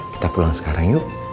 kita pulang sekarang yuk